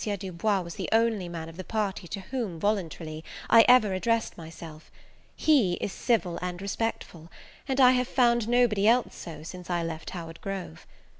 Du Bois was the only man of the party to whom, voluntarily, I ever addressed myself. He is civil and respectful, and I have found nobody else so since I left Howard Grove.